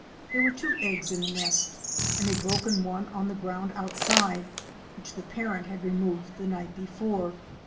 There were two eggs in the nest and a broken one on the ground outside which the parent had removed the night before.